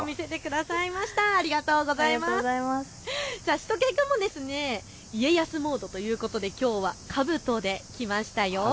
しゅと犬くんも家康モードということできょうはかぶとで来ましたよ。